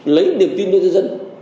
lấy niềm tin cho dân dân